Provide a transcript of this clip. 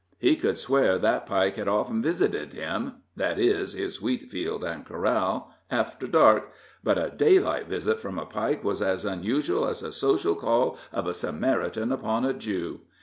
He could swear that Pike had often visited him that is, his wheatfield and corral after dark, but a daylight visit from a Pike was as unusual as a social call of a Samaritan upon a Jew.